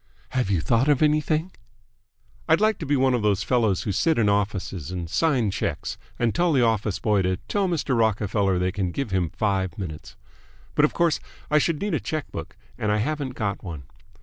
"Have you thought of anything?" "I'd like to be one of those fellows who sit in offices, and sign checks, and tell the office boy to tell Mr. Rockerfeller they can give him five minutes. But of course I should need a check book, and I haven't got one.